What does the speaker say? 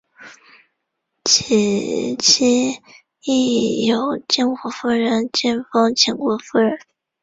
其妻亦由晋国夫人进封秦国夫人。